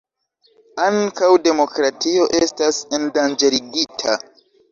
Ankaŭ demokratio estas endanĝerigita.